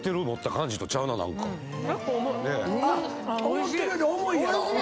思ってるより重いやろ。